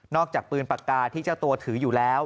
อกจากปืนปากกาที่เจ้าตัวถืออยู่แล้ว